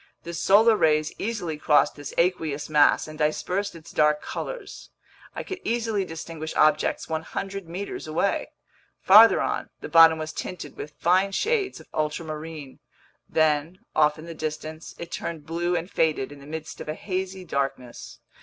The solar rays easily crossed this aqueous mass and dispersed its dark colors. I could easily distinguish objects 100 meters away. Farther on, the bottom was tinted with fine shades of ultramarine; then, off in the distance, it turned blue and faded in the midst of a hazy darkness.